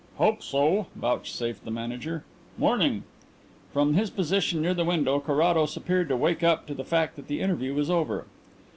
"Hope so," vouchsafed the Manager. "'Morning." From his position near the window, Carrados appeared to wake up to the fact that the interview was over.